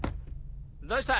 どうした？